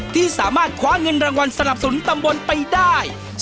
ที่สามารถคว้าเงินรางวัลสนับสนุนตำบลไปได้